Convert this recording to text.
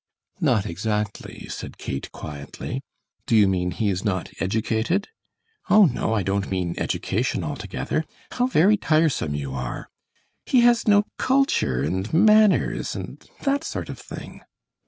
"Not exactly," said Kate, quietly. "Do you mean he is not educated?" "Oh, no, I don't mean education altogether. How very tiresome you are! He has no culture, and manners, and that sort of thing."